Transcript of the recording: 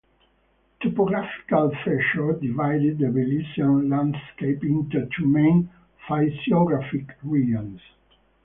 Topographical feature divide the Belizean landscape into two main physiographic regions.